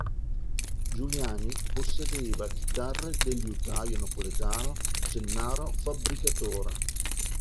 Giuliani possedeva chitarre del liutaio napoletano Gennaro Fabbricatore.